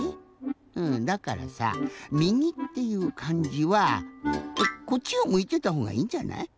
うんだからさ「右」っていうかんじはこっちをむいてたほうがいいんじゃない？